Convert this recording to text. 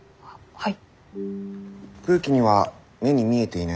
はい。